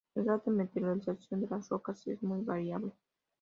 El grado de meteorización de las rocas es muy variable.